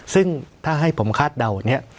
ซึ่งถ้าให้ผมคาดเดาเนี่ย